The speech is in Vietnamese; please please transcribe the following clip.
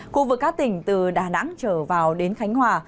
khu vực các tỉnh từ đà nẵng trở vào đến khánh hòa